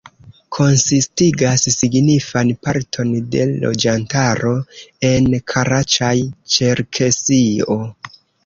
Konsistigas signifan parton de loĝantaro en Karaĉaj-Ĉerkesio.